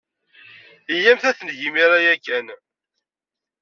Iyyamt ad t-neg imir-a ya kan.